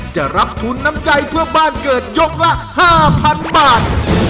จะรับทุนน้ำใจเพื่อบ้านเกิดยกละ๕๐๐๐บาท